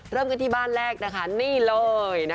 เริ่มกันที่บ้านแรกนะคะนี่เลย